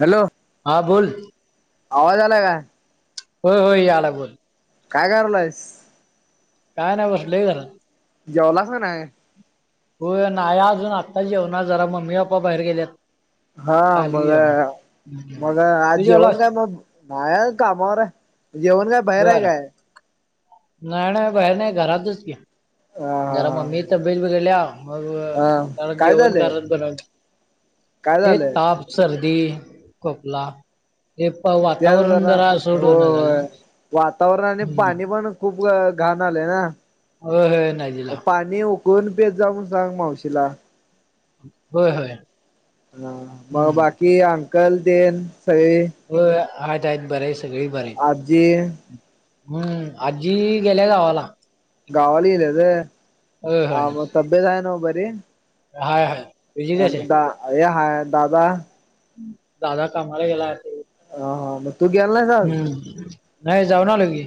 Hello, हा बोल. आवाज आला का. हो हो, याला बोल. काय कलंयस. काय नाही बसलोय खरं. जेवला का ना नाही. हो नाही अजून आत्ताच येऊ ना जरा मम्मी पप्पा बाहेर गेलेत. हा मग. मग आज तू जेवण जेवलास काय मग माया कामावर जेवण काय बाहेर आहे बर काय. नाही नाही बाहेर नाही घरातच की, जरा मम्मी अ तब्येत बघल्या मग अ जरा काय जेवण झालंय घरात बनवलं. काय हे झालंय ताप सर्दी खपला. आणि त्या जरा सोड होणं झालं ना होय वातावरणाने हम्म पाणी पण खूप घाण आलंय ना. होय होय नदीला दिला. आणि हकून पेज जा म्ह सांग मावशशीला. होय होय. हा मग हम्म बाकी अंकल देन सगळी. हो आ आहेत बर आहे सगळे बर. आजी हम्म आजी गेल्या गावाला. गावालीले होय आ होय म तबेस आहे नाव बरी. हाय हाय तजी कशी हाय. अरे हाय दादा. दादा कामाला गेला. हां हां आलो पूजेलां नाहीं जातं हम्मं नाहीं जाऊं नं आलो मी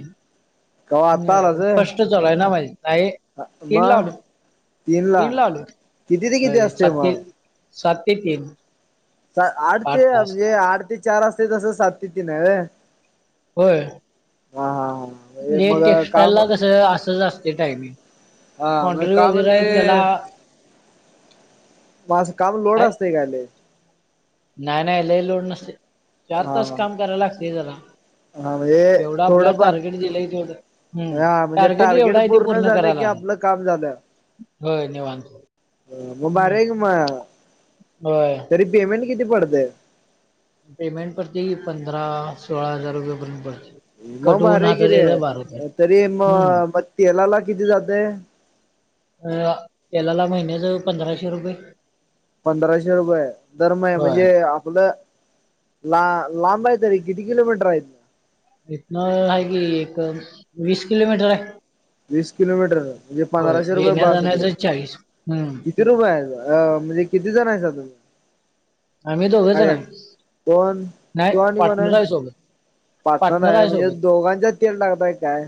कवा आत्ता आलास व्हय फर्स्ट. तूंचं झालां आहे मांये नाहीं. तीनं मग लावले तीन ला तीनं किती ते किती लावले असते सातली मग सात ते तीनं. आठ ते म्हणजे आठ ते चार असते तसं सात ते तीनं आहे. होयं हा हा म्हणजे म्हणे मग टेक्स्टाइलं काम लां कसं असं जां असते टायमिंग. हां मंग कॉन्ट्री कायं वगैरे म्हणे आहे त्याला माझं कामं लोड असते कायं लये नाहीं नाहीं लई लोड नसते चार हा तासं हा कामं करांयला लागते जरां. हा म्हणजे जेवढां आपल्यांला थोडंफार टार्गेट दिलंय तेवढं हंम हा टार्गेट जवढां आहे तेे पूर्ण करांयला लागते कामं झालं मंग बार मं. होयं तरी पेमेंट किती पडतंय पेमेंट पडते पंधरा सोळा हजांर रुपयाेपर्यंत पडते. मंग कट होऊन भारी हातात गिरे यायला बारा होते तरी हम्म मंग मंग तेलांला किती जातंय. अं केलांला महिन्यांचं पंधराशे रुपये. पंधराशे रुपये तरं महि होय म्हणजे आपलं. लां लांबा आहे तरीे किती किलोमीटर आहेतं. इतनं ह की एक वीस किलोमीटर आहे. वीस किलोमीटर म्हणजे होय पंधराशे रुपये येण्या बांस होते जाण्याचं चाळीस हम्म किती रुपये आहे. अं म्हणजे किती जणं आहेतं अजूंन आम्ही दोघं जण आहेतं कां आहे. कोणं नाही तूं आणि कोणं पार्टनर आहे. सोबत पांचण पार्टनर नाहीं आहे म्हणजे सोबत दोघांच्या तेल टागतंय कायं.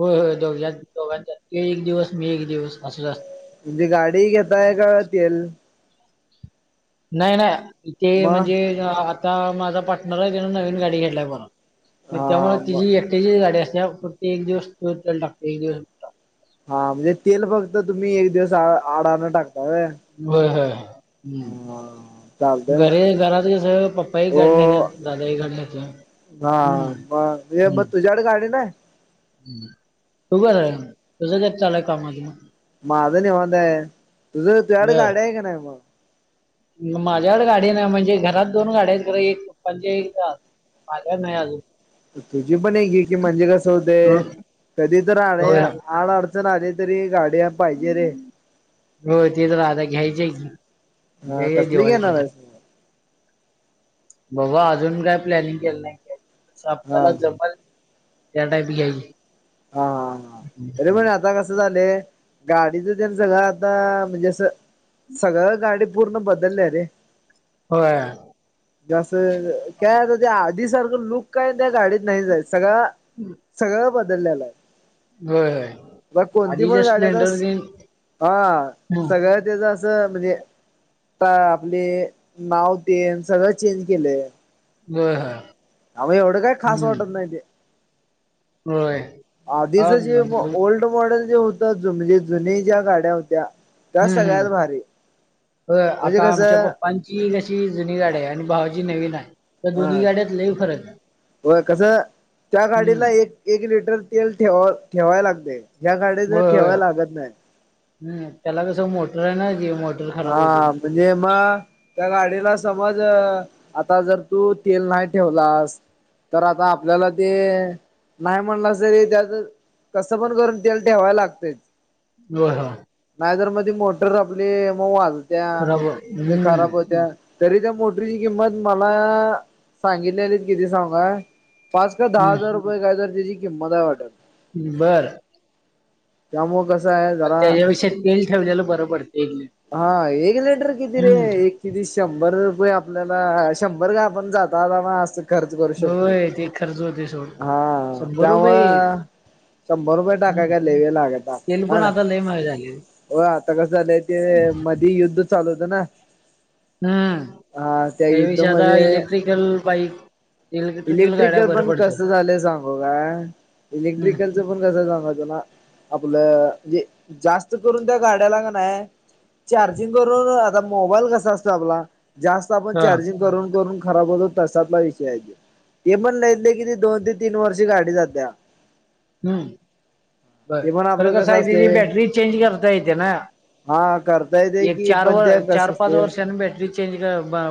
होयं होंयं दोघं दोघांच्या ते एक दिवसं मी एक दिवसं असंत. म्हणजे गाडी घेतांय कां तेल नाहीं नाहीं ते मग म्हणजे आंता माझां पार्टनर आहे तिनं नवीन गांडी घेडलांय परंत त्यांमुळे हा म तिची एकट्यांची गांडी असते फती एक दिवसंला टांकत एक दिवसं हां म्हणजे तेल फक्तं तुम्हीं एक दिवसं आडांण टांकता रे होयं हंय हम्मं चालतंय घरी मग घरांत सं पप्पांही कांडण्यांतेत दादा हं कांडण्यांत ये हां मं मं तुझ्यांकडे गांडी नाहीं तूं करं तुझं कायं चाललंय कामाचं माझं निवतांय तुझं तुंग गाड्यां आहे कां नाहीं मंग. माझ्याकडं गांडी नाहीं म्हणजे घरांत दोन गाड्यां आहेतं एक्जं माझ्या नाहीं अजूंन तुझी पणं एकी की म्हणजे असं होते कधीं तरं आड होय. आडचणं इथं राहीले तरी गांडयां पाहिजे रे हो ते तरं राहतां घ्यायचे घ्यां हा की ते कसली दिवाळी हो घेणार आहेस मग? बाबां अजूंन कायं प्लॅनिंग केलं नाहीं कांस हा आपल्यांला हा जापटयांला जमेल त्यां टाईप घ्यायची हां हां तरी पणं आंता कसं झालंय गाडीच त्यां सगळं आंता म्हणजे असं सगळं गांडीत पूर्ण बदलल्यां रे होयं जास काय आता ते आधी सारखं लुक काय त्या गाडीत नाही जायच सगळं हम्. सगळं बदललेलं आहे. होय म कोणती आधीच्या पण झाल्यास स्प्लेंडर तेन हा हं. सगळ्यात त्याच असं म्हणजे, आता आपले नाव तेन सगळं चेंज केलंय. बर. अव एवढं काय खास वाटत नाही ते. होय [inaudible] आधीच आता ज हम्म ओल्ड मॉडेल जे होतं म्हणजे जुन्या ज्या गाड्या होत्या. त्या हम्म सगळ्यात हम्, भारी म्हणजे आता आमच्या कसं पप्पा ती तशी जुनी गाडी आहे आणि भावची नवीन आहे. त्या हा दोन्ही गाड्यात लई फरक आहे हो कस त्या गाडीला हम्म एक एक लिटर तेल ठेवा ठेवाय लागते ह्या गाडी जर ठेवाय लागत नाही. हम त्याला कस मोटर आहे ना जे मो हा म्हणजे मग त्या गाडीला समज आता जर तू तेल नाही ठेवलास तर आता आपल्याला ते नाही म्हणलास तरी त्यात कसं पण करून तेल ठेवायला लागतय. हा हा. नाहीतर मध्ये मोटर आपली मग वाजत्या, खराब म्हणजे हम्म खराब होत्या. तरी त्या मोटरीची किंमत मला सांगितल्यालीत किती सांगू काय? - पाच काय दहा हम्म हजार रुपये काय तर त्याची किंमत आहे वाटत. बरं. त्यामुळ कस मग त्याच्याविेषयी तेल ठेवलेला बरं पडते. हा एक लिपर किती रे एक किती शंभर रुपये आपल्याला शंभर काय आपण जात आता म खर्च करू शकते, होय ते खर्च होतोय सोड हा शंभर रुपये त्यामुं शंभर रुपये टाका हम्म काय लय वेळ लागत नाही तेल आपल्या होय पण ना. आता लय महाग झालय. होय आता कसं झालंय ते मधी युद्ध चालू होतं ना. हम्म, हा त्या त्यापेक्षा आता युद्धामध्ये इलेक्ट्रिकल बाईक. गाड्या इलेक्ट्रिकल बर पण पडतात. कसं झालंय सांगू का हम्म इलेक्ट्रिकल पण कस सांगाच तुला आपलं जास्त करून त्या गाड्याला क नाय चार्जिंग करून आता मोबाईल कसा असतोय आपला जास्त आपण हा चार्जिंग करून करून खराब होतो तश्यातला विषय त्यो तेपण लईत लई किती दोन ते तीन वर्ष गाडी जात्या. हम्म. बर, ते पण खरं आपलं कसं आहे असते त्याची बॅटरी चेंज करता येते ना. हा करता येते [inaudible] एक की चार व, पण त्या कसं चार-पाच असते वर्षांनी बॅटरी चेंज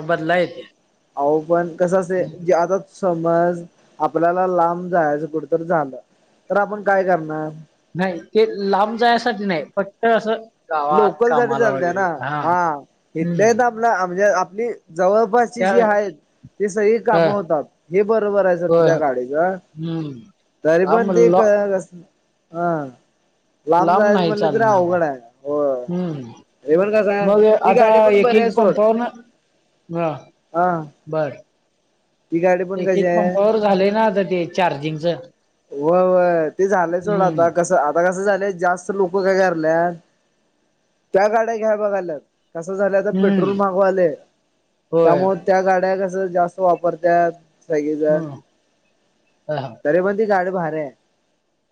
बदलाय येते. अहो पण कस असंतय ज्या आता समज आपल्याला लांब जायचं कुठ तर झालं. तर आपण काय करणार? नाही ते लांब जाण्यासाठी नाही फक्त असं. गावात लोकल साठी कामाला चालते वगैरे ना हा इथले ना हम्म आपला म्हणजे आपली जवळपासची त्या जी आहेत. ते सगळी ह काम होतात हे बरोबर आहे सोड होय त्या गाडीच. हम्म तरी पण लांब ती ल- कळंना कस, हा. लांब जाायज म्हणलं तरी अवघड हाय. होय. मग ती आता गाडी पण एक बरी एक आहे सोड पंपावरना. हा बर ती गाडी पण एक कशी एक आहे पंपावर झालंय ना आता ते चार्जिंगच. व्हय व्हय ते झालंय सोडं हम्म आता कसं. आता कसं झालय जास्त लोक काय कराल्यात त्या गाड्या घ्याय बघाल्यात. कसं झालंय आता पेट्रोल हम्म महाग व्हालय होय त्यामुळे त्या गाड्या कस जास्त. जास्त वापरत्यात सगळीजण हम्म हा तरी पण ती गाडी भारी आहे.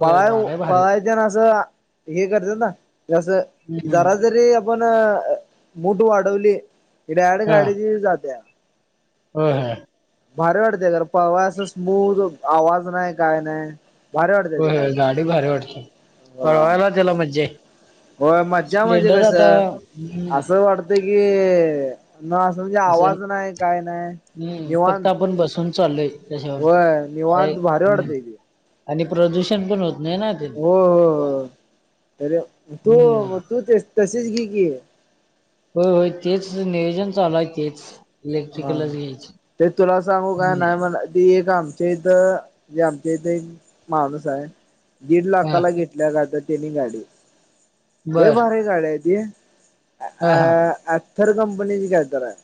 होय पळाय ओ गाड्या भारी पळायतेन असं हे करत्यातना म्हणजे असं जरा हम्म जरी. पण मूठ वाढवली की डायरेक्टर हा गाडी ती जातीया. होय होय. भारी वाटतय खर पळवाय अस स्मूथ आवाज नाही काय नाही. भारी वाटते ते होय गाडी भारी वाटते हा पळवायला त्याला मज्जाय. होय मज्जा म्हणजे कस हम्म असं वाटत की. ना असं म्हणजे आवाज नाही काय नाही. हम् फक्त निवांत आपण बसून चाललोय त्याच्यावरती होय काय. निवांत भारी वाटतंय ते आणि प्रदूषण पण होत नाही ना. ते हो हो हो अरे तू हम्म मग तू तशीच घी की. होय होय तेच नियोजन चालुहाय तेच. हा इलेक्ट्रिकलच घ्यायचे तेच तुला सांगू काय हम्म. नाही म्हणा ते एक आम्ह ''--'' आमच्या इथं ते आमच्या इथे एक माणूस आहे दीड हा लाखाला घेतल. ला कल्यातनी गाडी लय बर भारी हाय गाडी ती. हा अ हा ऍथर कंपनीची काय तर हाय.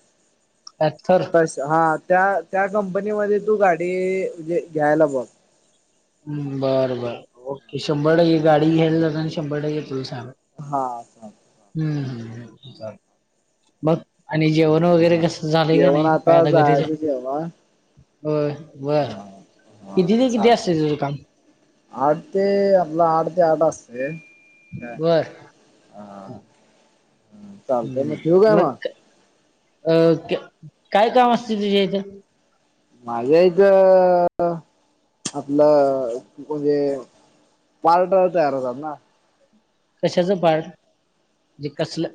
ऍथर. बस हा त्या त्या कंपनीमध्ये तू गाडी घ्यायला बूवा. बरं बर ओके शंभर टक्के गाडी घ्यायला जातना आणि शंभर टक्के तुला सांगतो. हा. हम्म मग आणि जेवण वगैरे कस. झाले का जेवण नाही काय आता घरी जायचं जाऊन. जेवण हा कती हा ते कीती चाल असतय तझु काम. आठ ते आपला आठ ते आठ असतंय काय. बर हा चालतय मग ठेऊ काय मग. अ के काय काम असतय तुझ्या इथं. माझ्या इथं आपलं म्हणजे. पार्ट तयार होतात ना. कशाच पार्ट म्हणजे कसलं.